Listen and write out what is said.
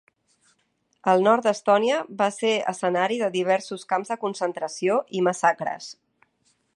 El nord d'Estònia va ser escenari de diversos camps de concentració i massacres.